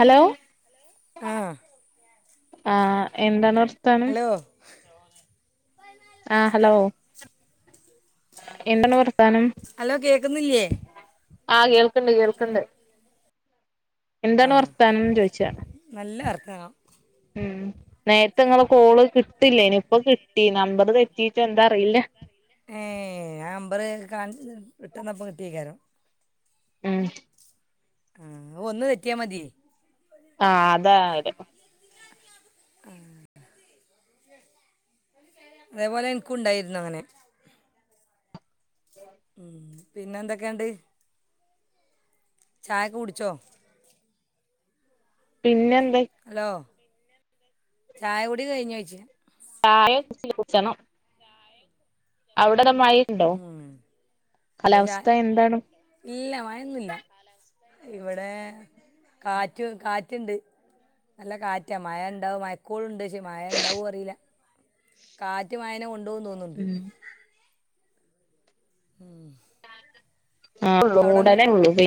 Hello ആ ആ എന്താണ് പ്രസ്ഥാനം ഹലോ ആഹ ഹലോ എന്താണ് വർത്താനം ഹലോ കേക്കുന്നില്ലേ ആഹ് കേൾക്കണ്ട് കേൾക്കണ്ട് ആ എന്താണ് വർത്താനംന്ന് ചോയിച്ച നല്ല വർത്തമാനം ഉം നേരത്തെ നിങ്ങെ കോള് കിട്ടില്ല ഇനിയിപ്പോ കിട്ടി നമ്പർ തെറ്റീച്ച എന്താ അറിയില്ല ഏ ആ അമ്പർ കാ വിട്ടന്നപ്പ കിട്ടിയേക്കാരും ഉം ആ ഒന്ന് തെറ്റിയാ മതി ആഹ അത ഉം അതേപോലെ എനിക്കുണ്ടായിരുന്നു അങ്ങനെ ഉം. പിന്നെ എന്തൊക്കെയണ്ട് ചായ കുടിച്ചോ പിന്നെ എന്താ ഹലോ ചായ കുടി കഴിഞ്ഞോ ചേച്ചി ചായ കുടിച്ചില്ല, കുടിക്കണം അവിടെ നല്ല മഴ ഉണ്ടോ ഉം എന്താ ചാ കാലാവസ്ഥ എന്താണ്? ഇല്ല മഴയൊന്നുല്ല ഇവിടെ കാറ്റ് കാറ്റുണ്ട് നല്ല കാറ്റാ മഴ ഉണ്ടാവും മഴകൊളൂണ്ട് പക്ഷ മഴ ഉണ്ടാവും അറിയില്ല കാറ്റ് മഴയെ കൊണ്ടുപോയി എണ്ടോ തോന്നുന്നുണ്ട് ഉം ഉം [inaudible] ആടള്ളൂ പി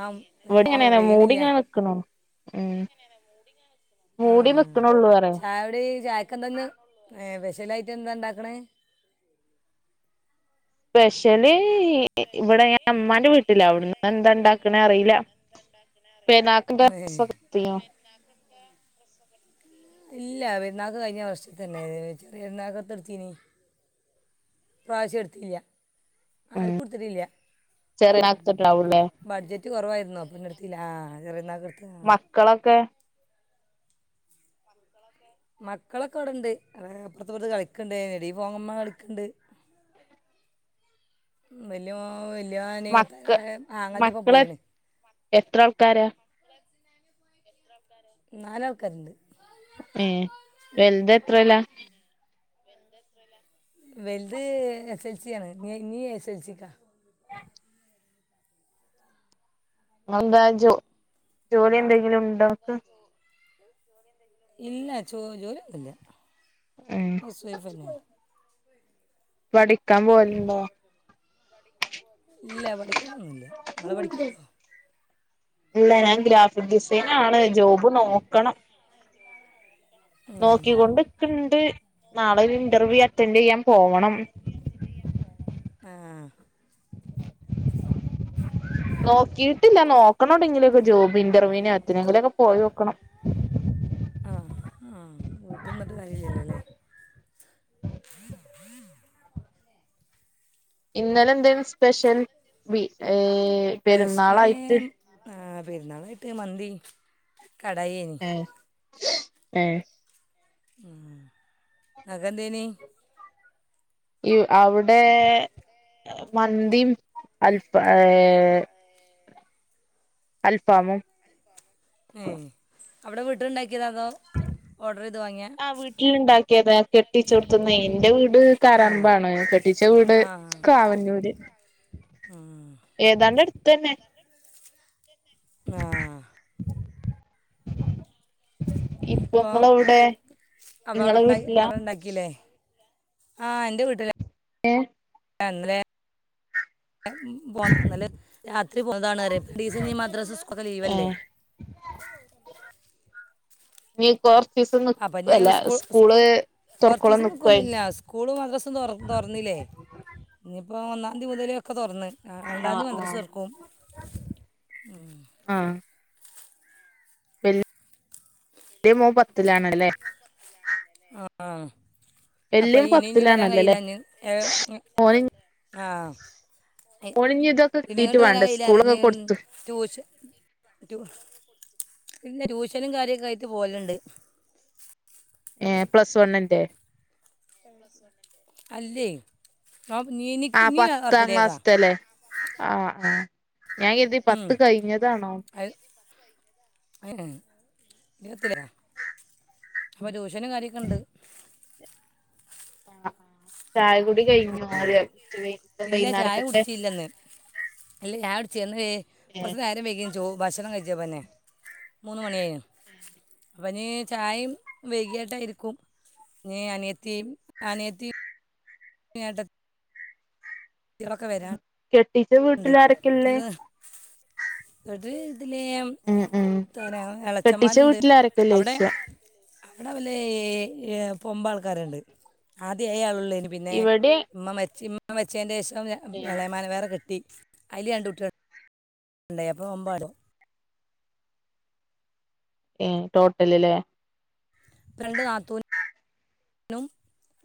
ആം ഇവിടെങ്ങ മൂടി പെയ്യണില്ല ഇങ്ങനെ വെക്കണ ഉ ആ മൂടി വെക്കണള്ളൂ പറ ചിലായിട്ട് എന്താ ഉണ്ടാക്കണ സ്പെഷ്യലി സ്പെഷ്യല് അവിടുന്ന് ഇവിടെ ഞാൻ എന്താ ഉമ്മാന്റെ ഉണ്ടാക്കണ വീട്ടില അറിയില്ല ഇന്ന് ന്താ ഉണ്ടാക്കാണെന്ന് അറിയില്ല പെരുന്നാക്കിന്റെ ഡ്രസ്സൊക്കെടുത്തീനോ ഇല്ല പെരുന്നാൾക്ക് കഴിഞ്ഞ വർഷ തന്നെ ചെറിയരുന്നാക്കത്തെടുത്തീനി ഇ പ്രാവിശ്യം എടുത്തിട്ടില്ല ഉം ആർക്കും എടുത്തിട്ടില്ല ചെറിയനാക്കത്തിണ്ടാവൂല്ലേ ബഡ്ജറ്റ് കുറവായിരുന്നു എടുത്തില്ല ആ ചെറിയപെരുന്നാൾക്ക് മക്കളൊക്കെ മക്കളൊക്കെ അവിടെണ്ട് അപ്പറത്ത്പ്പറത്ത് കളിക്കണ്ട് നെടി പോങ്ങമ്മ കളിക്കണ്ട് വലിയ വലിയവന് മക്ക ആങ്ങളുടെ ഒപ്പം മക്കളെ പോയിണ് എത്ര ആൾക്കാരാ നാല് ആൾക്കാരുണ്ട് ഏ വലുത് എത്രേയ്ലാ വൽത് എസ് എൽ സി ആണ്. നി ഇനീ എസ് എൽ സിക്കാ ഇങ്ങള് എന്താ ജോ ജോലി എന്തെങ്കിലും ഉണ്ടോ ഇങ്ങ്ക്ക്? ഇല്ല ചോ ജോലി ഒന്നുഇല്ല. ഉം ഹൗസ് വൈഫ്‌ തന്നെയ പഠിക്കാൻ പോവലുണ്ടോ ഇല്ല പഠിക്കണംന്നില്ല നിങ്ങള് പഠിക്കണണ്ടോ? ഇല്ല ഞാൻ ഗ്രാഫിക് ഡിസൈനാണ് ജോബ് നോക്കണം നോക്കികൊണ്ട് ഇക്ക്ൺ [unintelligible] നാളെ ഒരു ഇന്റർവ്യൂ അറ്റൻഡ് യ്യാൻ പോണം. ആ നോക്കീട്ടില്ല നോക്കൊണോടെങ്കിലൊക്കെ ജോബ് ഇന്റർവ്യൂന് എത്തിനെങ്കിലൊക്കെ പോയോക്കണം. ആ ആ വീട്ടിൽ നിന്നിട്ട് കാര്യമില്ലല്ലോ അല്ലേ ഇന്നലെ എന്തേനു സ് പെഷ്യൽ വി ഏ പെരുന്നാളായിട്ട്. പെര്ന്നാളായിട്ട് മന്തി. കടായി എനി. ഏ ഏ ഉം ഇങ്ങക്കെന്തേനി? ഇവ്‌ അവ്ടെ മന്തിയിം അൽഫാ ഏ അൽഫാമും ഏഹ് അവിടെ വീട്ടിണ്ടാ ആ വീട്ടിലുണ്ടാക്കിയതാ കെട്ടിച്ചോട്ത്ത്ന്നേ. എന്റെ വീട് ആ കാരർമ്പാണ് കെട്ടിച്ച വീട് ആ കാവന്നൂര് ഉം. ഏതാണ്ട് അടുത്തന്നെ. ആഹ് ഇപ്പൊ അപ്പോൾ നിങ്ങളവ്ടെ? അപ്പോൾ നിങ്ങള അവിടെ ഉണ്ടായി വീട്ടിലാ. അവിടെ ഉണ്ടാക്കിയില്ലേ ആ എന്റെ വീട്ടില [unintelligible] [unintelligible] ഇന്നലെ രാത്രി പോയതാണ് പറയാ രണ്ടീസം ഇനി മദ്രസ, സ്കൂൾ ഒക്കെ ലീവല്ലേ? ഏഹ് നീ കോ അപ്പം ഇനി സ്കൂ സ്കൂൾ കുറച്ച് തുറക്കോളം ദിവസം നിക്കുവായി നിക്കൊന്നുമില്ല സ്കൂളും മദ്രസും തുറന്നില്ലേ. ഇപ്പോ ഒന്നാം തീ മുതലേക്കെ തുറന്ന്. ആ രണ്ടാംതീ ആഹ് മദ്രസ ആഹ് തൊറക്കും. വല്ല് വലിയ മോൻ പത്തിലാണല്ലേ? ആഹ്. വല്യ അപ്പോ മോൻ ഇനി ഇനി വരാൻ പത്തിലാണല്ലോല്ലേ കഴിയില്ലാഞ്ഞ് ഏഹ് ആഹ് ഒളിഞ്തൊക്കെ കിട്ടീട്ട് വരാൻ വാണ്ടേ കഴിയില്ല അറിയാം സ്കൂളൊക്കെ ഇനി കൊട്ത്ത് ട്യൂഷൻ ട്യൂ ഇല്ല ട്യൂഷനും കാര്യക്കായിട്ട് പോല്ണ്ട് ഏ പ്ലസ് വണ്ണിന്റെ അല്ലെ [unintelligible] ആ ആ ഞാൻ കര്തി പത്ത് കഴിഞ്ഞതാണോ ഏഹ് ത്തില അപ്പോ ട്യൂഷനും കാര്യക്കെണ്ട് ആ ചായ കുട് ഇല്ല ചായ [unintelligible] കുടിച്ചില്ലെന്ന് ഇല്ല ചായൊട്ച്ച ന്ന് വേ കൊർച്ചു നേരം വൈകി ചോ ഭക്ഷണം കഴിച്ചപ്പന്നെ മൂന്ന് മണിയായി അപ്പനീ ചായയും വൈകിയായിട്ടായിരിക്കും നീ അനിയത്തി അനിയത്തി [unintelligible] ഏട്ടത്തികളൊക്കെ വരാനുണ്ട് കെട്ടിച്ച വീട്ടില് ആരൊക്കെല്ലേ ഇതില് ലേ എത്തറിയ കെട്ടിച്ച എളച്ചന്മാര്ണ്ട് അവിടെ വീട്ടിലാരൊക്കെല്ലോയ്ച്ച അവിടെ വലെ പൊമ്പ ആൾക്കാരുണ്ട് ആദ്യ അയാ പിന്നെ ഇവിടെ ഉമ്മ മരിച്ചി [unintelligible] [unintelligible] [unintelligible] ഏഹ് ഇളയ മകനെ വേറെ കെ ട്ടി അയില് രണ്ട് കുട്ടികള് ഉണ്ടായി അപ്പോ [unintelligible] ഏ ടോട്ടലല്ലേ ഇപ്പോ രണ്ട് നാത്തൂനും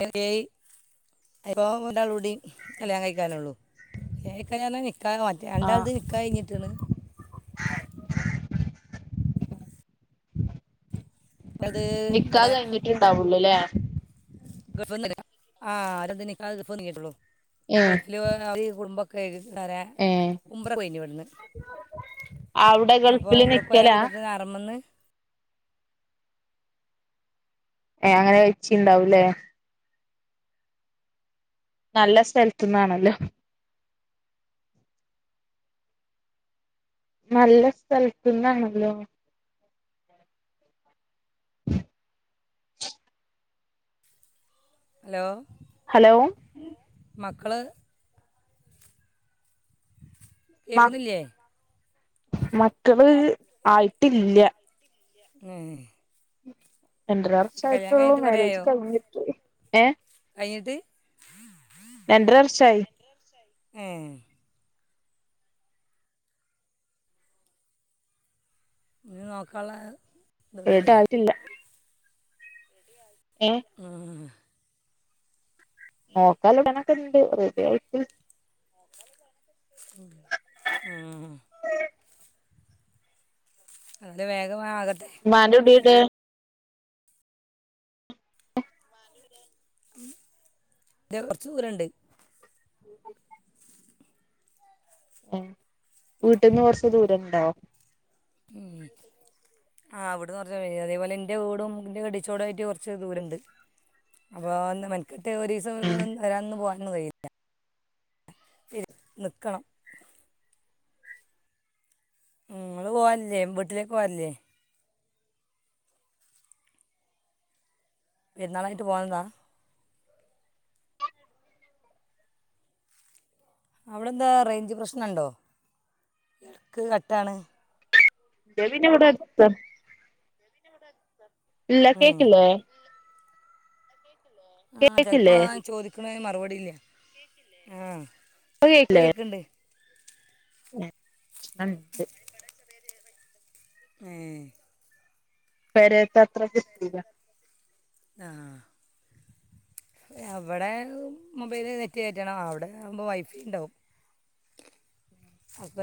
[unintelligible] ഒരാളൂടി കല്യാണം കഴിക്കാനുള്ളൂ ക കഴിക്കാൽ നിക്കാഹ് മറ്റേ ആഹ് രണ്ടാളുടേത് നിക്കാഹ് കഴിഞ്ഞിട്ടാണ് അത് നിക്കാത കഴിഞ്ഞിട്ടുണ്ടാവുള്ളൂല്ലേ എ ആ അന്തന്ന് കേട്ടുള്ളൂ ഏഹ് ഗൾഫിൽ [unintelligible] ക വേറെ ഏഹ് ഉുമ്പ്രക്കഴഞ്ഞ ഇവിട്ന്ന്. അവിടെ അപ്പൊ ഗൾഫില് ഉംറക്ക് പോയ നിക്കലാ കൂട്ടത്തിൽ നിന്ന് ഹറാം ന്ന് ഏ അങ്ങനെ വെച്ചിണ്ടാവൂല്ലേ നല്ല സ്ഥലത്തന്നാണല്ലോ നല്ല സ്ഥലത്തുന്നണല്ലോ ഹലോ ഹലോ മക്കള മ എകന്നല്ലേ മക്കള് ആയിട്ടില്ല ഉം രണ്ടര വർഷ ആട്ടുള്ളൂ കുറേ മാര്ാരേജ് കഴിഞ്ഞിട്ടേ ഏ യിത് രണ്ടര വർഷായി എഏ ഞ് നോക്കാള്ള ഏത് ആട്ടില്ല ഏ ഉം, നോക്കാല പ്ല നക്കെ ഇണ്ട് റഡി ആയിട്ട് ആ അ വേഗ അത്ആകട്ടെ ടെ ഇ കുറച്ച ദൂരണ്ട് ഏഹ് വീട്ടിന്ന് കൊറച്ച് ദൂരംണ്ടാവ ഉ ആ അവിടുന്ന് പറഞ്ഞാൽ അതേപോലെ എറെ വൂടുംറെ കടിച്ചോടമായിട്ട് കുറച്ച് ദൂരണ്ട് അപ്പോൾ അന്ന് മന ഏഹ് ടോറിസം ഒരാന്ന് പോവാൻ ന്ന് കഴയില്ല ഇ നിൽക്കണം ഉ അത് പോവല്ലേ വീട്ടിലേക്ക് പോവല്ലേ പിന്താലും ഇട്ട് പോണതാ അവിടെ എന്താ റേഞ്ച് പ്രശ്നം ഉണ്ടോ ഇടക്ക് കട്ടാണ് [unintelligible] ഇല്ല ഉം. കേട്ടില്ലേ ആ ചിലപ്പോ കേക്കില്ലേ ചോദിക്കണനു മറുപടി ആ ഇപ്പ കേക്കില്ലേ പോയെക്കണ്ട് [unintelligible] ഏ പെരേത്ത അത്ര [inaudible] ആ അവിടെ മൊബൈല് നെറ്റ് കേറ്റണം അവിടെ ആവുമ്പോൾ വൈഫൈ ഉണ്ടാവും അപ്പ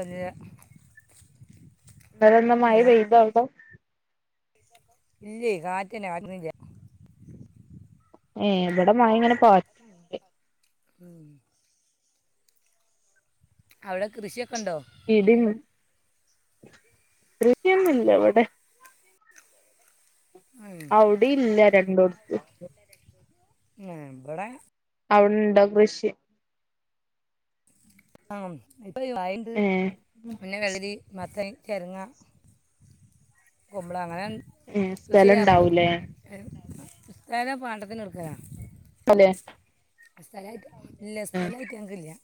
ഇന്നലെന്താ മഴ പെയ്താ അവിടെ ഇല്ലെ കാറ്റന്നെ [inaudible] ഏ ഇവിടെ മഴ ഇങ്ങനെ പാറ്റണ്ണ്ട് ഉം അവിടെ കൃഷിയൊക് ഇടിന്ന് കൃഷിയൊന്നും ഇല്ല ഇവിടെ ഉം. അവിടെ ഇല്ല [unintelligible] ഉം ഇവടെ അവിടുണ്ടോ കൃഷി ആ യി കായിണ്ട് ഏ പിന്നെ വെളളരി മത്തൻ ചെരുങ്ങ കുമ്പളം അങ്ങനെ സ്ഥലം ഇണ്ടാവുല്ലേ ഇത്താ എല്ലാം പാണ്ടത്തിനെട്ടു അതെ അസലായിട്ട് ഇല്ല സ്ഥലായിട്ട് നമ്മക്കില്ല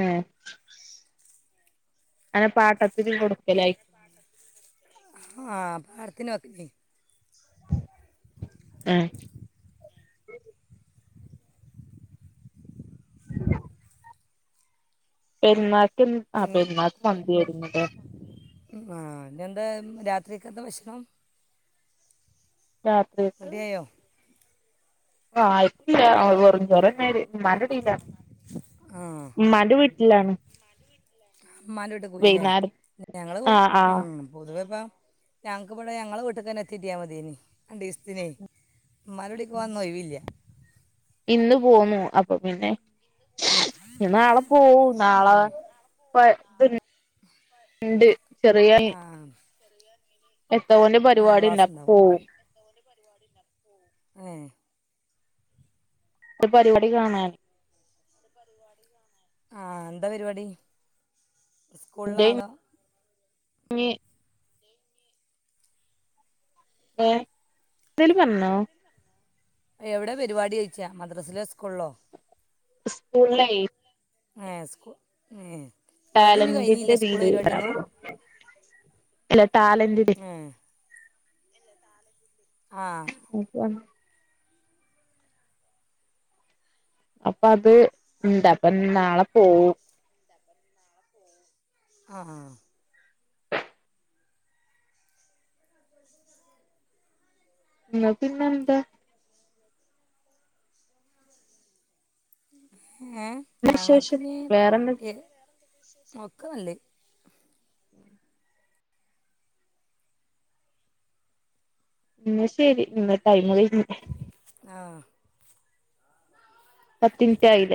ഉം അങ്ങനെ പാട്ടത്തിൻ കൊടുക്കലായിക്ക ആ പാടത്തിന് [inaudible] ആ പെരുന്നാ അ പിന്നെ പെരുന്നാക്ക് മന്തി ആയിരുന്നുല്ലേ ആ പിന്നെന്താ രാത്രിക്കെ എന്താ വിശണം രാത്രിക്ക് റെഡിയായോ ആയിട്ടില്ല, വെറും ചോറാണ് മടുടില്ല മടു വി ലാണ് മ്മാൻ്റെ വീട്ട് പോയില്ലേ ഞങ്ങള് ആ ആ ഉം പൊതുവേപ്പം ഞങ്ങക്ക് ഇവിടെ ഞങ്ങള് വീട്ടക്ക്ന്നെ എത്തിട്ടിയാൽ മതീനി രണ്ട്സ്ത്തിനേ ഉമ്മാരോവിടക്ക്വാന്നൊ ഒഴവില്ല ഇന്ന് പോന്നു അപ്പൊ പിന്നെ നാളെ പോവും നാളെ ഉം. പ്പ [unintelligible] ണ്ട് ആഹ് എന്തോന്ന് പരിപാടിണ്ട് അപ്പം ഉണ്ടാവും പോവും ഏ ഒരു പരിപാടി കാണൻ ആഹ് എന്താ പരിപാടി സ്കൂളിലാ എന്റെ അതോ [unintelligible] ഏ എന്തേലും പറഞ്ഞ്ണോ എവിടെ പരിപാടി ഓയ്ച്ചാ മദ്രാസിലൊ സ്കൂളിലോ സ്കൂൾ ലേ ഏ സ്കൂ ഏ അവരത് ഇനി കഴിഞ്ഞില്ല ടാലന്റിന്റെ സ്കൂൾ തീല് പരിപാടിയൊന്നും [inaudible] ടാലെന്റ്റ് ലെ ഏ ആ [unintelligible] അപ്പൊ അത് ഇന്താ പ്പം നാളെ പോവും അ ആഹ് ഉം പിന്നെ എന്താ ഏ വിശേഷം ഞങ്ങൾക്ക്ഞ്ഞ് വേറെന്താ ഇ ഒക്കെ നല്ലേ ഉം എന്നാൽ ശെരി [unintelligible] ടൈം കഴിഞ്ഞ് ആഹ് പത്ത് മിൻറ്റായിലേ